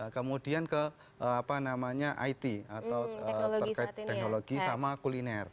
kemudian ke apa namanya it atau teknologi sama kuliner